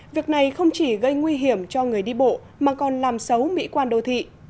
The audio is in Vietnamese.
việc này không chỉ gây nguy hiểm cho người đi bộ mà còn làm xấu mỹ quan đô thị